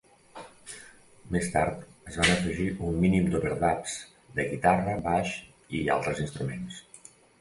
Més tard es van afegir un mínims d'overdubs de guitarra, baix i altres instruments.